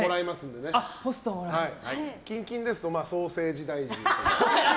近々ですとソーセージ大臣とか。